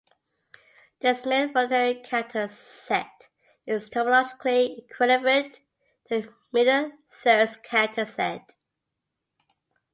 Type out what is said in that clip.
The Smith-Volterra-Cantor set is topologically equivalent to the middle-thirds Cantor set.